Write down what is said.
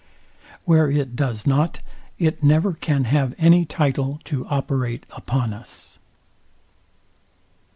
Where it does not, it never can have any title to operate upon us.